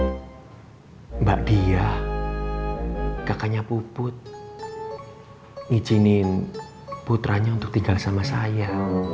iya mbak diyah kakaknya puput ngijinin putranya untuk tinggal sama saya